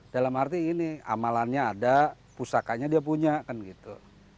dalam arti ini amalannya ada pusakanya dia punya kan gitu